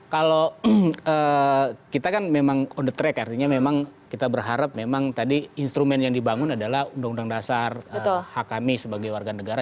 kalau kita kan memang on the track artinya memang kita berharap memang tadi instrumen yang dibangun adalah undang undang dasar hak kami sebagai warga negara